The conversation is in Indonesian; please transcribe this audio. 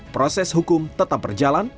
proses hukum tetap berjalan